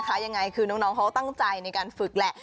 น้องเขาตั้งใจในการฝึกแหละ